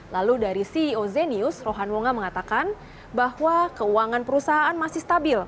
lalu dari ceo zenius rohan wonga mengatakan bahwa keuangan perusahaan masih stabil